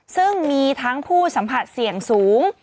ซึ่งมีทั้งผู้สัมผัสเสี่ยงสูง